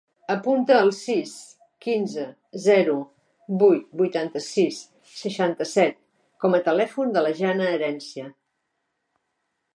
Apunta el sis, quinze, zero, vuit, vuitanta-sis, seixanta-set com a telèfon de la Janna Herencia.